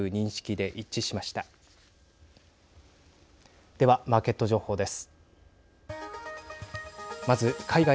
では、マーケット情報です。